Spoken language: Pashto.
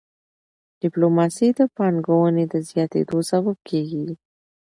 ډيپلوماسي د پانګوني د زیاتيدو سبب کېږي.